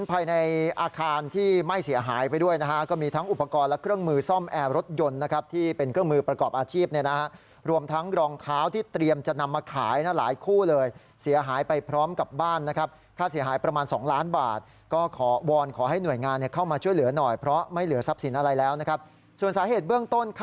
ภายในอาคารที่ไม่เสียหายไปด้วยนะฮะก็มีทั้งอุปกรณ์และเครื่องมือซ่อมแอร์รถยนต์นะครับที่เป็นเครื่องมือประกอบอาชีพเนี่ยนะฮะรวมทั้งรองเท้าที่เตรียมจะนำมาขายนะหลายคู่เลยเสียหายไปพร้อมกับบ้านนะครับค่าเสียหายประมาณ๒ล้านบาทก็ขอวอนขอให้หน่วยงานเข้ามาช่วยเหลือหน่อยเพราะไม่เหลือทรัพย์สินอะไรแล้วนะครับส่วนสาเหตุเบื้องต้น